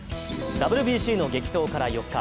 ＷＢＣの激闘から４日。